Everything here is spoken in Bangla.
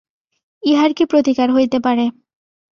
ইহার কী প্রতীকার হইতে পারে!